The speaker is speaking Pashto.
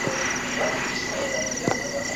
ښاروالو د نوي واکمن د کړنو په اړه فکر کاوه.